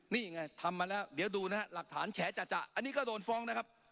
นี่ไงทำมาแล้วเดี๋ยวดูนะฮะหลักฐานแฉจะอันนี้ก็โดนฟ้องนะครับ